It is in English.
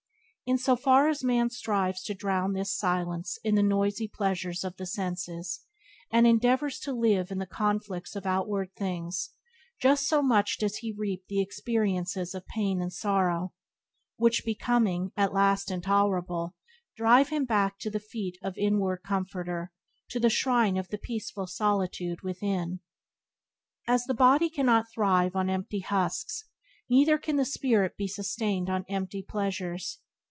In so far as man strives to drown this silence in the noisy pleasures of the senses, and endeavours to live in the conflicts of outward things, just so much does he reap the experiences of pain and sorrow, which, becoming at last intolerable, drive him back to the feet of inward Comforter, to the shrine of the peaceful solitude within. As the body cannot thrive on empty husks, neither can the spirit be sustained on empty pleasures.